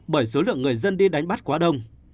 bởi số lượng người dân đi đánh bắt quá đông